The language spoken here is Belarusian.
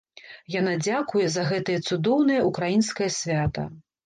Яна дзякуе за гэтае цудоўнае ўкраінскае свята.